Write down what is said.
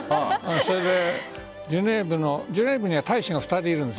それでジュネーブには大使が２人いるんです。